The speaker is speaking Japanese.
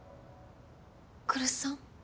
来栖さん？